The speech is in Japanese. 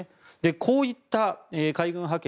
こういった海軍派遣